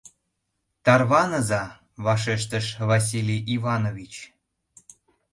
Тарваныза, — вашештыш Василий Иванович.